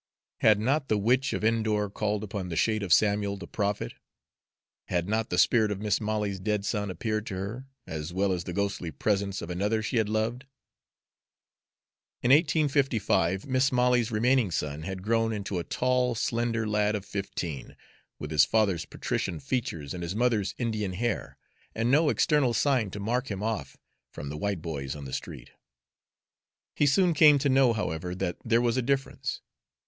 Had not the Witch of Endor called up the shade of Samuel the prophet? Had not the spirit of Mis' Molly's dead son appeared to her, as well as the ghostly presence of another she had loved? In 1855, Mis' Molly's remaining son had grown into a tall, slender lad of fifteen, with his father's patrician features and his mother's Indian hair, and no external sign to mark him off from the white boys on the street. He soon came to know, however, that there was a difference.